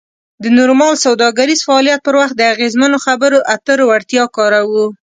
د نورمال سوداګریز فعالیت پر وخت د اغیزمنو خبرو اترو وړتیا کاروو.